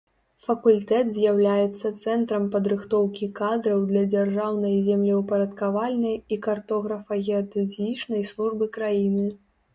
Факультэт з'яўляецца цэнтрам падрыхтоўкі кадраў для дзяржаўнай землеўпарадкавальнай і картографа-геадэзічнай службы краіны.